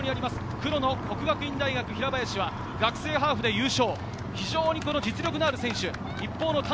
黒の國學院大學・平林は学生ハーフで優勝。